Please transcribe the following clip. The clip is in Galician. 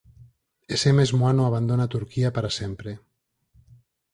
Ese mesmo ano abandona Turquía para sempre.